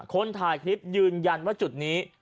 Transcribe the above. คนถ่ายคลิปยืนยันว่าจุดนี้